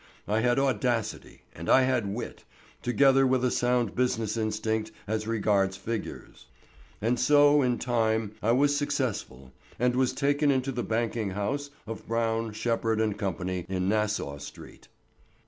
I had audacity and I had wit, together with a sound business instinct as regards figures. And so in time I was successful and was taken into the banking house of Brown, Shepherd, & Co. in Nassau street.